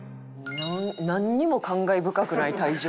なんにも感慨深くない退場。